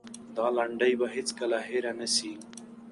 دا لنډۍ به هېڅکله هېره نه سي.